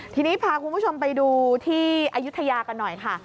ทีนี้พาคุณผู้ชมไปดูที่อายุทยากันหน่อยค่ะ